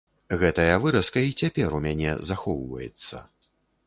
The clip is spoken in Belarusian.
Гэтая выразка і цяпер у мяне захоўваецца.